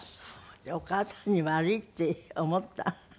お母さんに悪いって思った？